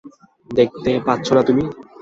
দেখতে পাচ্ছো না তুমি?